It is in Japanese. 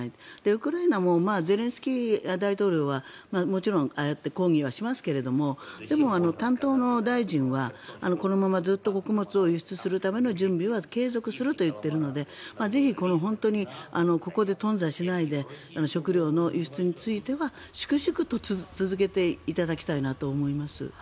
ウクライナもゼレンスキー大統領はもちろんああやって抗議はしますがでも担当の大臣はこのままずっと穀物を輸出するための準備は継続すると言っているのでぜひ本当にここで頓挫しないで食糧の輸出については粛々と続けていただきたいなと思います。